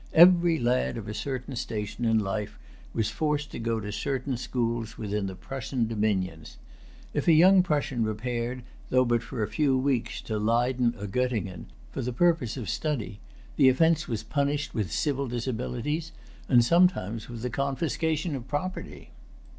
Every lad of a certain station in life was forced to go to certain schools within the Prussian dominions. If a young Prussian repaired, though but for a few weeks, to Leyden or Göttingen, for the purpose of study, the offence was punished with civil disabilities, and sometimes with the confiscation of property.